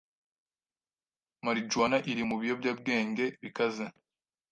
marijuwana iri mu biyobyabwenge bikaze